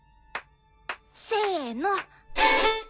せの！